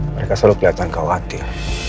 mereka selalu kelihatan khawatir